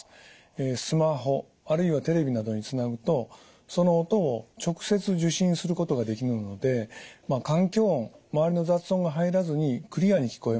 スマホあるいはテレビなどにつなぐとその音を直接受信することができるので環境音周りの雑音が入らずにクリアに聞こえます。